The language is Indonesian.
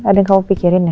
ada yang kamu pikirin ya